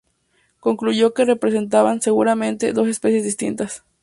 Concluyó que representaban, seguramente, dos especies distintas.